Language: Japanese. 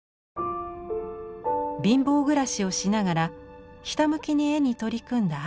貧乏暮らしをしながらひたむきに絵に取り組んだ靉光。